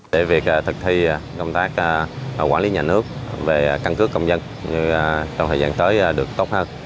để việc thực thi công tác quản lý nhà nước về căn cước công dân trong thời gian tới được tốt hơn